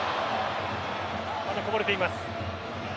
まだこぼれています。